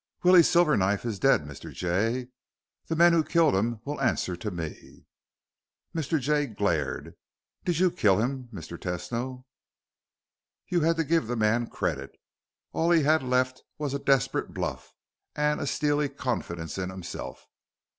"Willie Silverknife is dead, Mr. Jay. The men who killed him will answer to me." Mr. Jay glared. "Did you kill him, Mr. Tesno?" You had to give the man credit. All he had left was a desperate bluff and a steely confidence in himself.